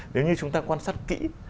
nếu như chúng ta quan sát kỹ